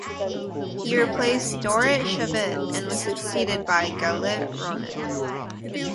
He replaced Dorit Shavit and was succeeded by Galit Ronen.